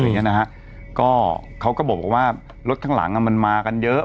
อย่างเงี้นะฮะก็เขาก็บอกว่ารถข้างหลังอ่ะมันมากันเยอะ